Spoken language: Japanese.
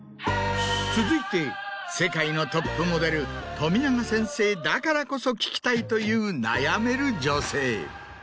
続いて世界のトップモデル冨永先生だからこそ聞きたいという悩める女性。